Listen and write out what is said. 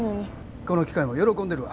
この機械も喜んでるわ。